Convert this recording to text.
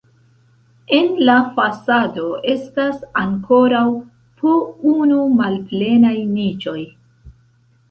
En la fasado estas ankoraŭ po unu malplenaj niĉoj.